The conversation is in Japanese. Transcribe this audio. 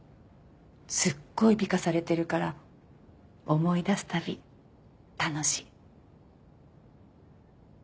すっごい美化されてるから思い出すたび楽しい。